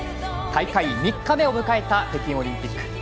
大会３日目を迎えた北京オリンピック。